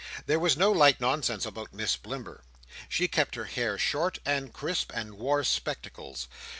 There was no light nonsense about Miss Blimber. She kept her hair short and crisp, and wore spectacles.